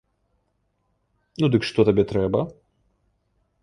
Ну, дык што табе трэба?